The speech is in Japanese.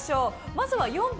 まずは４番。